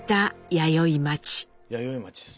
弥生町です。